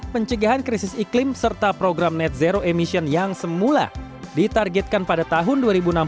pencegahan krisis iklim serta program net zero emission yang semula ditargetkan pada tahun dua ribu enam belas